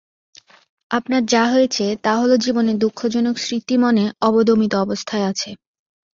আপনার যা হয়েছে টা হল জীবনের দুঃখজনক স্মৃতি মনে অবদমিত অবস্থায় আছে।